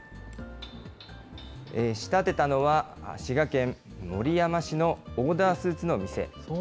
仕立てたのは滋賀県守山市のオーダースーツの店。